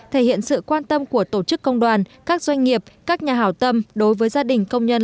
thể hiện sự quan tâm của tổ chức công đoàn các doanh nghiệp các nhà hảo tâm đối với gia đình công nhân